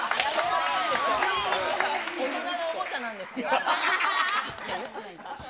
大人のおもちゃなんですよ。